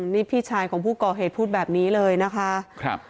นี่พี่ชายของผู้ก่อเหตุพูดแบบนี้เลยนะคะครับ